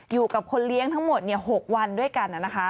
อยู่กับคนเลี้ยงทั้งหมด๖วันด้วยกัน